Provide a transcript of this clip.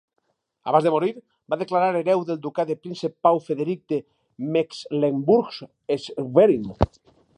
Abans de morir, va declarar hereu del ducat el príncep Pau Frederic de Mecklenburg-Schwerin.